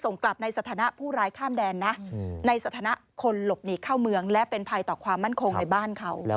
ในสถานะคนหลบหนีเข้าเมืองและเป็นภัยต่อความมั่นคงในบ้านเขา